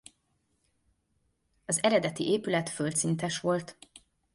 Az eredeti épület földszintes volt.